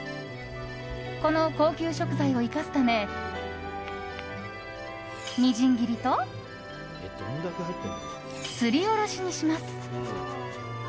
この高級食材を生かすためみじん切りとすりおろしにします。